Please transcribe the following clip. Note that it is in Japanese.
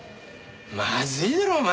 まずいだろお前